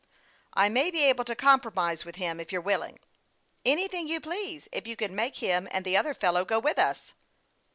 " I may be able to compromise with him, if you're willing." " Anything you please, if you can make him and the other fellow go with us."